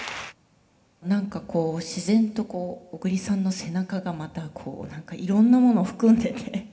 何かこう自然とこう小栗さんの背中がまたこう何かいろんなもの含んでて。